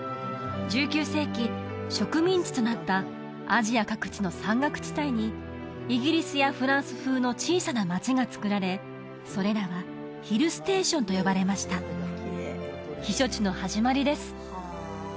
１９世紀植民地となったアジア各地の山岳地帯にイギリスやフランス風の小さな町がつくられそれらはヒルステーションと呼ばれました避暑地の始まりです